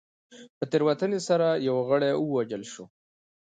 په تېروتنې سره یو غړی ووژل شو.